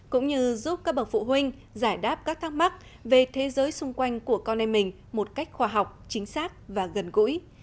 cũng như giúp các bậc phụ huynh giải đáp các thắc mắc về thế giới xung quanh của con em mình một cách khoa học chính xác và gần gũi